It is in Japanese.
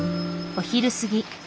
お昼過ぎ。